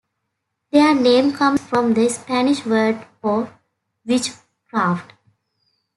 Their name comes from the Spanish word for "witchcraft".